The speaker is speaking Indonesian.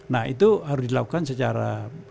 nah itu harus dilakukan secara